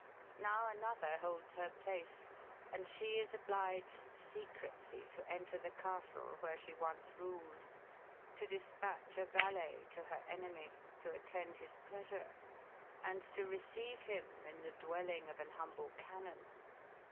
Now another holds her place, and she is obliged secretly to enter the castle where she once ruled, to despatch a valet to her enemy, to attend his pleasure, and to receive him in the dwelling of an humble canon.